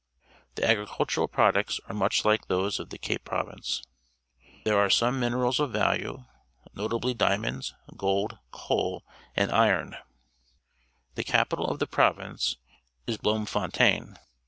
The agricultural products are much like those of the Cape Province. Theie_aj:e seHie fiiiu erals of value, notably diamonds, g old, coal , and i^nT The capital of the province is BIocmfaaldM.